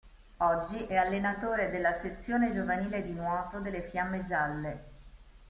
Oggi è allenatore della sezione giovanile di nuoto delle Fiamme Gialle.